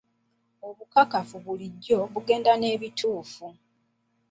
Obukakafu bulijjo bugenda n'ebituufu.